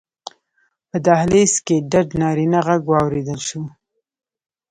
په دهلېز کې ډډ نارينه غږ واورېدل شو: